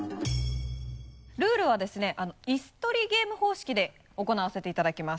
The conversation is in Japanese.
ルールはですね椅子取りゲーム方式で行わせていただきます。